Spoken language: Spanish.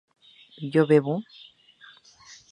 ¿yo bebo?